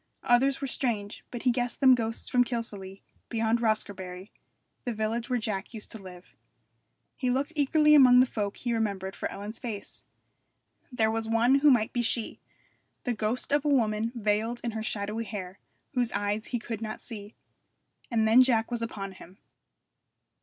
Others were strange, but he guessed them ghosts from Kilsallagh, beyond Roscarbery, the village where Jack used to live. He looked eagerly among the folk he remembered for Ellen's face. There was one who might be she, the ghost of a woman veiled in her shadowy hair, whose eyes he could not see. And then Jack was upon him.